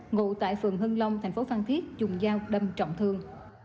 ngụ tại phường hưng long thành phố phan thiết dùng dao đâm trọng thương